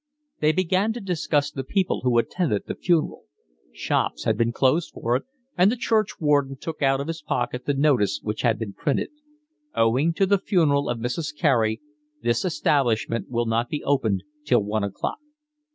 They began to discuss the people who attended the funeral. Shops had been closed for it, and the churchwarden took out of his pocket the notice which had been printed: "Owing to the funeral of Mrs. Carey this establishment will not be opened till one o'clock."